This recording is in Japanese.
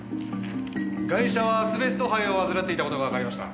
被害者はアスベスト肺を患っていた事がわかりました。